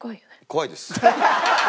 怖いです。